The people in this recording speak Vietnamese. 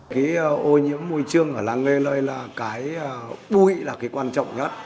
cái ô nhiễm môi trường ở làng nghề lơi là cái bụi là cái quan trọng nhất